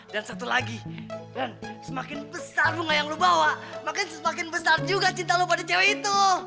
dan satu lagi ren semakin besar bunga yang lo bawa maka semakin besar juga cinta lo pada cewek itu